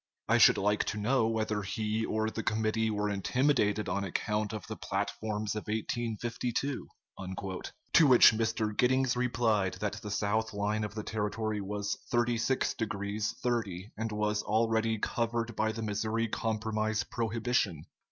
I should like to know whether he or the committee were intimidated on account of the platforms of 1852?" To which Mr. Giddings replied that the south line of the territory was 36 degrees 30', and was already covered by the Missouri Compromise prohibition.